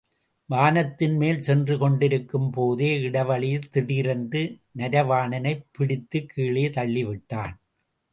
வானத்தின்மேல் சென்று கொண்டிருக்கும் போதே இடைவழியில், திடீரென்று நரவாணனைப் பிடித்துக் கீழே தள்ளி விட்டான்.